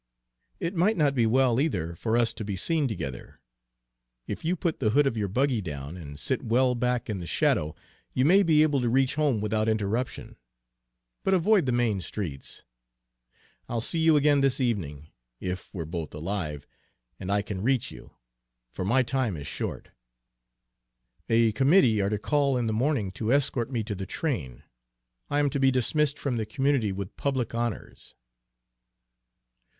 It might not be well, either, for us to be seen together. If you put the hood of your buggy down, and sit well back in the shadow, you may be able to reach home without interruption; but avoid the main streets. I'll see you again this evening, if we're both alive, and I can reach you; for my time is short. A committee are to call in the morning to escort me to the train. I am to be dismissed from the community with public honors."